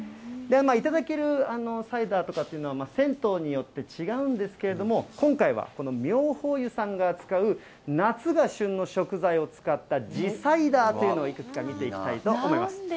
頂けるサイダーとかっていうのは、銭湯によって違うんですけれども、今回はこの妙法湯さんが扱う夏が旬の食材を使った地サイダーというのをいくつか見ていきたいと思います。